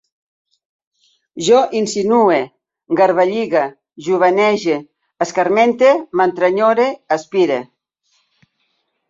Jo insinue, garballigue, jovenege, escarmente, m'entrenyore, espire